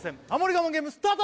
我慢ゲームスタート！